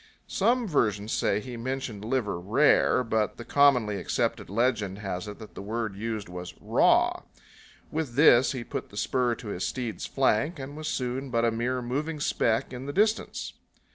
Some versions say he mentioned liver rare, but the commonly accepted legend has it that the word used was raw. With this he put the spur to his steed's flank and was soon but a mere moving speck in the distance.